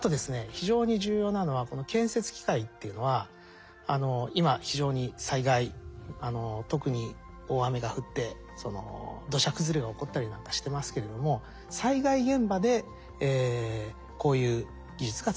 非常に重要なのはこの建設機械っていうのは今非常に災害特に大雨が降って土砂崩れが起こったりなんかしてますけれども災害現場でこういう技術が使われています。